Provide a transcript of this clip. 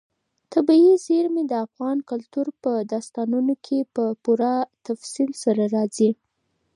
طبیعي زیرمې د افغان کلتور په داستانونو کې په پوره تفصیل سره راځي.